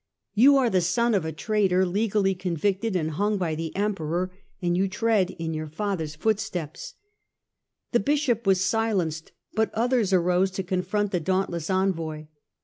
You are the son of a traitor legally convicted and hung by the Emperor ; and you tread in your father's foot steps." The Bishop was silenced but others arose to con front the dauntless envoy.